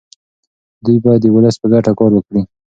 دوی باید د ولس په ګټه کار وکړي.